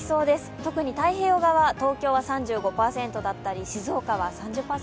特に太平洋側、東京は３５％だったり静岡は３０％。